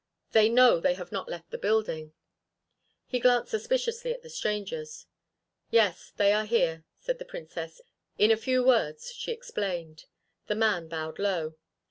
They know they have not left the building." He glanced suspiciously at the strangers. "Yes, they are here," said the Princess. In a few words she explained. The man bowed low.